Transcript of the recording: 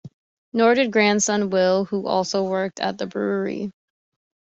Nor did grandson Will, who also worked at the brewery.